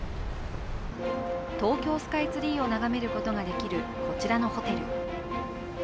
東京スカイツリーを眺めることができる、こちらのホテル。